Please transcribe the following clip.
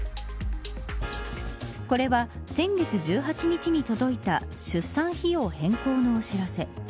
これは、先月１８日に届いた出産費用変更のお知らせ。